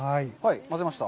まぜました。